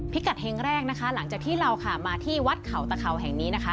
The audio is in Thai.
พิกัดเฮงแรกนะคะหลังจากที่เราค่ะมาที่วัดเขาตะเข่าแห่งนี้นะคะ